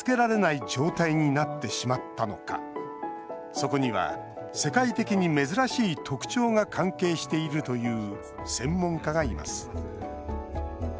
そこには、世界的に珍しい特徴が関係しているという専門家がいます。